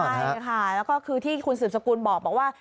ใช่ค่ะแล้วก็คือที่คุณสืบสกุลบอกว่า